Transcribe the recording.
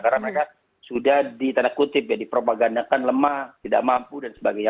karena mereka sudah ditandat kutip dipropagandakan lemah tidak mampu dan sebagainya